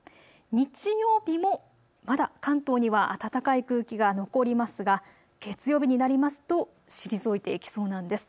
日曜日もまだ関東には暖かい空気が残りますが月曜日になりますと退いていきそうなんです。